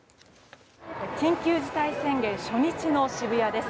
緊急事態宣言初日の渋谷です。